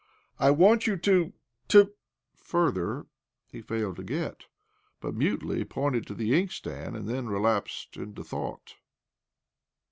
" I want you to, to " Further he failed to get, but mutely pointed to the inkstand, and then relapsed into thought.